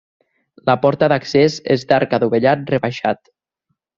La porta d'accés és d'arc adovellat rebaixat.